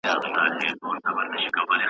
په سلګونو یې لرلې له کوترو .